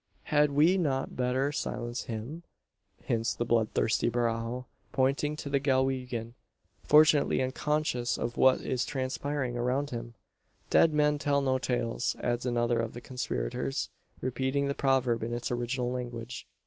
"Had we not better silence him?" hints the bloodthirsty Barajo, pointing to the Galwegian fortunately unconscious of what is transpiring around him. "Dead men tell no tales!" adds another of the conspirators, repeating the proverb in its original language.